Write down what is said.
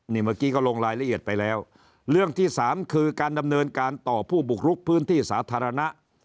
นี่เมื่อกี้ก็ลงรายละเอียดไปแล้วเรื่องที่สามคือการดำเนินการต่อผู้บุกรุกพื้นที่สาธารณะ